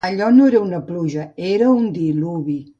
Allò no era una pluja, era un diluvi.